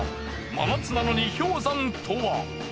真夏なのに氷山とは？